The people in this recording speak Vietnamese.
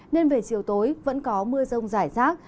nên về chiều tối vẫn có mưa rông rải rác